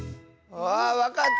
あわかった！